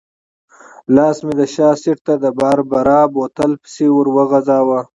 لاس مې د شا سېټ ته د باربرا بوتل پسې ورو غځاوه.